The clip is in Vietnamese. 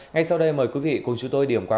ngay sau đây mời quý vị cùng chúng tôi điểm qua